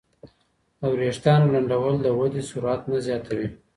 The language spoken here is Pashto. د وریښتانو لنډول د ودې سرعت نه زیاتوي.